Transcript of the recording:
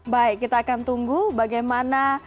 baik kita akan tunggu bagaimana